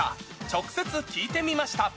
直接、聞いてみました。